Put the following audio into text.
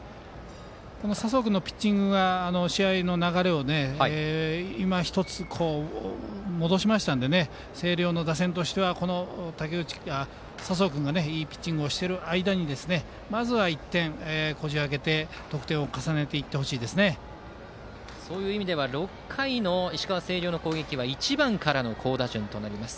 この佐宗君のピッチングが試合の流れを今、１つ戻しましたので星稜の打線としては佐宗君がいいピッチングをしている間にまずは１点こじ開けてそういう意味では６回の石川・星稜の攻撃は１番からの好打順です。